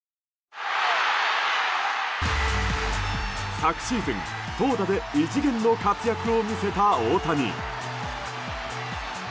昨シーズン、投打で異次元の活躍を見せた大谷。